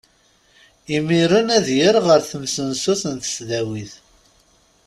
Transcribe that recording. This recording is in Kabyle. Imiren ad yerr ɣer temsensut n tesdawit.